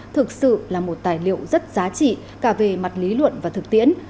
thực sự là một tài liệu rất giá trị cả về mặt lý luận và thực tiễn